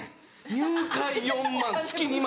入会４万月２万！